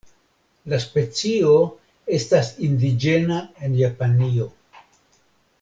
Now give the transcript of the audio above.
La specio estas indiĝena en Japanio.